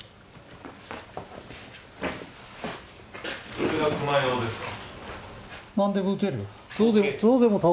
これがクマ用ですか？